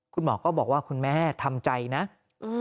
คุณหมอก็บอกว่าคุณแม่ทำใจนะอืม